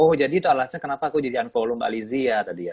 oh jadi itu alasnya kenapa aku jadi unfollow mbak lizzy ya tadi ya